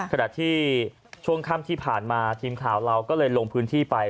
ขณะที่ช่วงค่ำที่ผ่านมาทีมข่าวเราก็เลยลงพื้นที่ไป